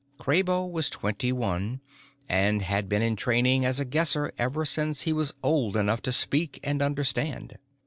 Kraybo was twenty one, and had been in training as a Guesser ever since he was old enough to speak and understand.